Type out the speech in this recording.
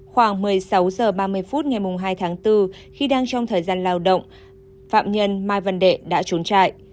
khoảng một mươi sáu h ba mươi phút ngày hai tháng bốn khi đang trong thời gian lao động phạm nhân mai văn đệ đã trốn chạy